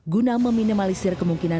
guna meminimalisir kemungkinan